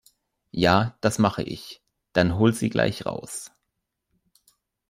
Ja, das mache ich. Dann hol sie gleich raus.